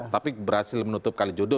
tapi berhasil menutup kalijodo